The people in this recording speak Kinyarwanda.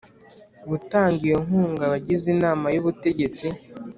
gutanga iyo nkunga abagize Inama y Ubutegetsi